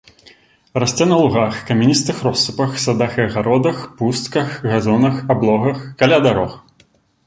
Расце на лугах, камяністых россыпах, садах і агародах, пустках, газонах, аблогах, каля дарог.